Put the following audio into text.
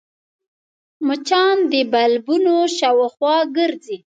مچان د بلبونو شاوخوا ګرځي